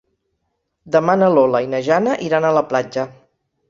Demà na Lola i na Jana iran a la platja.